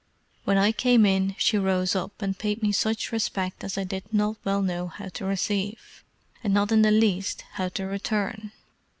When I came in, she rose up, and paid me such respect as I did not well know how to receive, and not in the least how to return.